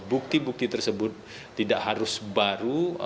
bukti bukti tersebut tidak harus baru